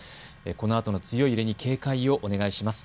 このあとの強い揺れに警戒をお願いします。